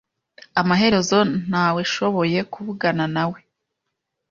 Amaherezo naweshoboye kuvuganawe nawe .